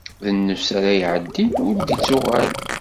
D nnefs ara iɛeddin ur d-ittuɣal.